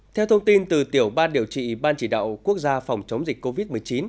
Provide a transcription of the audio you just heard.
theo thông tin từ tiểu ban điều trị ban chỉ đạo quốc gia phòng chống dịch covid một mươi chín